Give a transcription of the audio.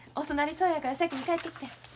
遅なりそうやから先に帰ってきてん。